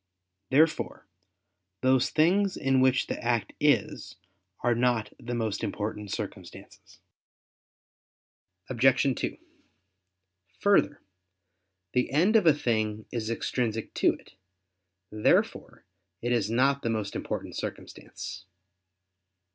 Therefore those things in which the act is are not the most important circumstances. Obj. 2: Further, the end of a thing is extrinsic to it. Therefore it is not the most important circumstance.